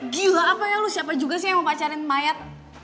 gila apa ya lu siapa juga sih yang mau pacarin mayat